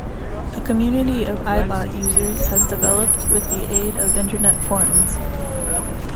A community of I-Bot users has developed with the aid of internet forums.